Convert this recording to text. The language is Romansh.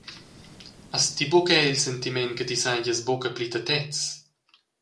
Has ti buc era il sentiment che ti seigies buca pli tetez?